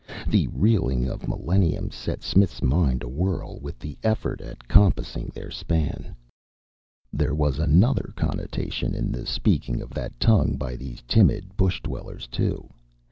The reeling of millenniums set Smith's mind awhirl with the effort at compassing their span. There was another connotation in the speaking of that tongue by these timid bush dwellers, too.